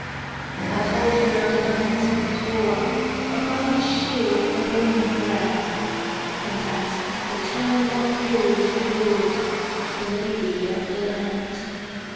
I told her of the Knight that woreUpon his shield a burning brand; And that for ten long years he woo'dThe Lady of the Land.